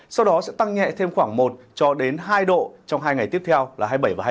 sau đó sẽ tăng nhẹ thêm khoảng một hai độ trong hai ngày tiếp theo là hai mươi bảy hai mươi tám